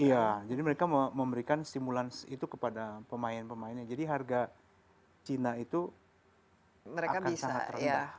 iya jadi mereka memberikan simulan itu kepada pemain pemainnya jadi harga china itu akan sangat rendah